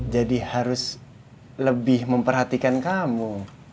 jadi harus lebih memperhatikan kamu